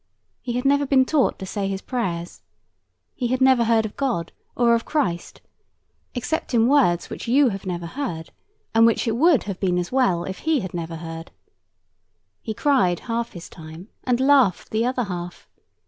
He had never been taught to say his prayers. He never had heard of God, or of Christ, except in words which you never have heard, and which it would have been well if he had never heard. He cried half his time, and laughed the other half.